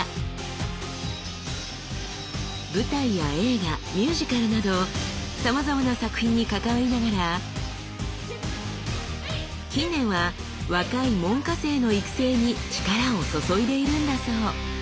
舞台や映画ミュージカルなどさまざまな作品に関わりながら近年は若い門下生の育成に力を注いでいるんだそう。